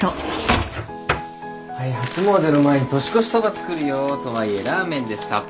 はい初詣の前に年越しそば作るよ。とはいえラーメンです。